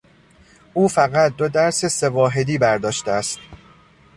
او فقط دو درس سه واحدی برداشته است.